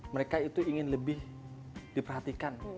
mereka itu ingin lebih diperhatikan